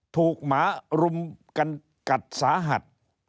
ถูกหมารุมกัดสาหัส